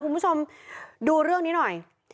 คุณผู้ชมดูเรื่องนี้หน่อย